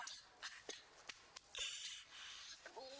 kamu gak pernah didik sama mereka